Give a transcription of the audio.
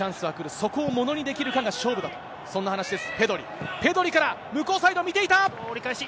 そこをものにできるかが勝負だと、そんな話です。